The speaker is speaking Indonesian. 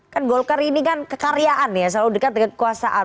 kan golkar ini kan kekaryaan ya selalu dekat dengan kekuasaan